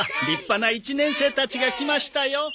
立派な１年生たちが来ましたよ。